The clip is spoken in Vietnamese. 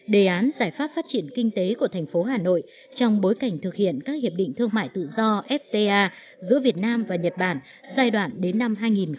đề án giải pháp phát triển kinh tế của thành phố hà nội trong bối cảnh thực hiện các hiệp định thương mại tự do fta giữa việt nam và nhật bản giai đoạn đến năm hai nghìn hai mươi